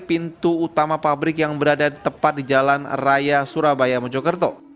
pintu utama pabrik yang berada tepat di jalan raya surabaya mojokerto